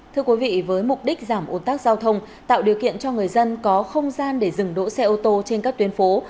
thưa quý vị với mục đích giảm ồn tắc giao thông tạo điều kiện cho người dân có không gian để dừng đỗ xe ô tô trên các tuyến phố